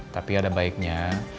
tapi ada baiknya